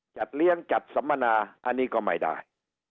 จัดเลี้ยงจัดสัมมนาอันนี้ก็ไม่ได้